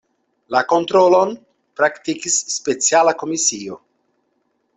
La kontrolon praktikis speciala komisio.